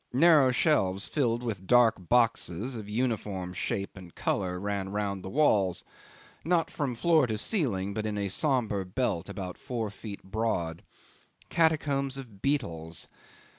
Narrow shelves filled with dark boxes of uniform shape and colour ran round the walls, not from floor to ceiling, but in a sombre belt about four feet broad. Catacombs of beetles.